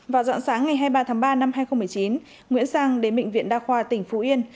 vào dặn sáng ngày hai mươi ba tháng ba năm hai nghìn một mươi chín nguyễn sang đến bệnh viện đa khoa tỉnh phú yên